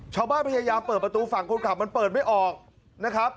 พยายามเปิดประตูฝั่งคนขับมันเปิดไม่ออกนะครับ